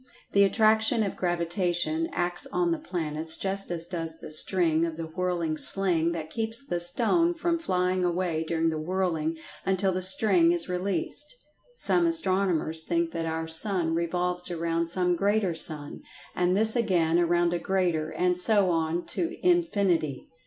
The Attraction of Gravitation acts on the planets just as does the string of the whirling sling that keeps the stone from flying away during the whirling until the string is released. Some astronomers think that our sun revolves around some greater sun, and this again around a greater, and so on to infinity.